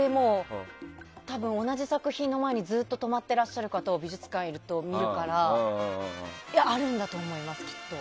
同じ作品の前にずっと止まっていらっしゃる方を美術館にいると見るからあるんだと思います、きっと。